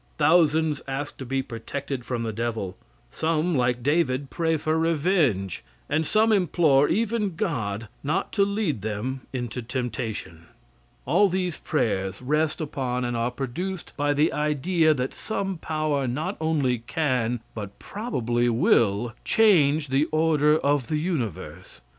Thousands ask to be protected from the devil; some, like David, pray for revenge, and some implore, even God, not to lead them into temptation. All these prayers rest upon, and are produced by the idea that some power not only can, but probably will, change the order of the universe.